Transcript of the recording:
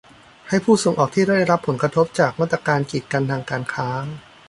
ให้ผู้ส่งออกที่ได้รับผลกระทบจากมาตรการกีดกันทางการค้า